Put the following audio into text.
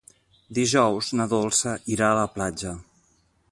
Dijous na Dolça irà a la platja.